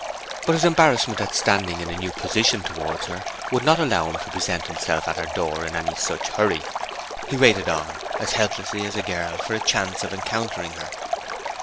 But his embarrassment at standing in a new position towards her would not allow him to present himself at her door in any such hurry. He waited on, as helplessly as a girl, for a chance of encountering her.